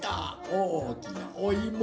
おおきなおいも！